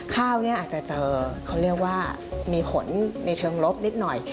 ข้าวเนี่ยอาจจะเจอเขาเรียกว่ามีผลในเชิงลบนิดหน่อย